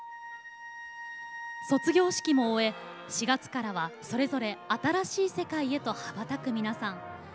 卒業式も終え４月からはそれぞれ新しい世界へと羽ばたく皆さん。